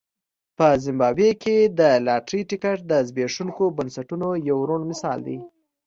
په زیمبابوې کې د لاټرۍ ټکټ د زبېښونکو بنسټونو یو روڼ مثال دی.